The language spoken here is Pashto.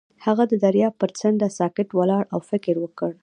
هغه د دریاب پر څنډه ساکت ولاړ او فکر وکړ.